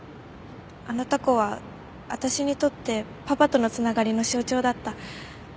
あのタコは私にとってパパとの繋がりの象徴だった。